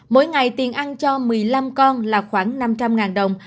mỗi ngày tiền ăn cho một mươi năm con là khoảng năm trăm linh đồng